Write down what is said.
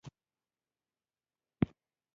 د هایپرپلاسیا د حجرو زیاتېدل دي.